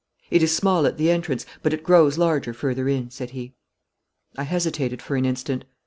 'It is small at the entrance, but it grows larger further in,' said he. I hesitated for an instant.